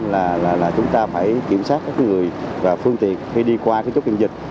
là một trăm linh là chúng ta phải kiểm soát các người và phương tiện khi đi qua chốt kiểm dịch